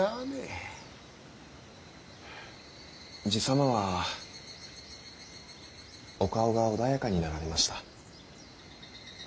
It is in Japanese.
爺様はお顔が穏やかになられました。